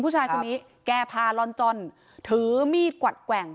ผู้ชายคนนี้แก้ผ้าล่อนจ้อนถือมีดกวัดแกว่ง